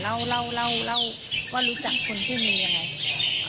เล่าว่ารู้จักคนชื่อเมย์ยังไง